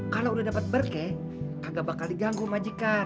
kalo udah dapet berke kagak bakal diganggu majikan